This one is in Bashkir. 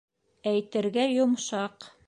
Әйтергә йомшаҡ.